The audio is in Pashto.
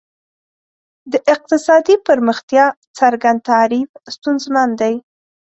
د اقتصادي پرمختیا څرګند تعریف ستونزمن دی.